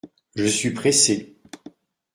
Je suis pressé.